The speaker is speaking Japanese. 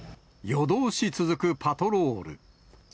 夜通し続くパトロール。